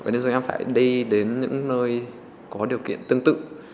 nên dù em phải đi đến những nơi có điều kiện tương tự